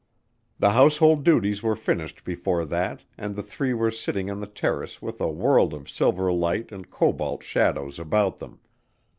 The household duties were finished before that and the three were sitting on the terrace with a world of silver light and cobalt shadows about them.